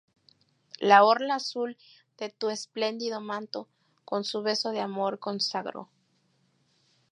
La orla azul de tu esplendido manto Con su beso de amor consagró.